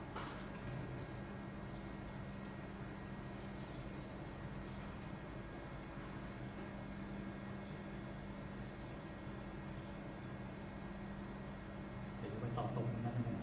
ไปที่ช้าที่นี่นะ